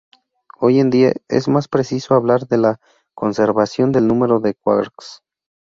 Hoy en día es más preciso hablar de la conservación del número de quarks.